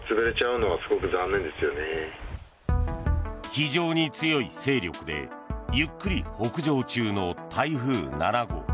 非常に強い勢力でゆっくり北上中の台風７号。